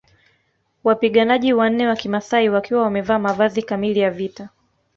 Wapiganaji wanne wa kimasai wakiwa wamevaa mavazi kamili ya vita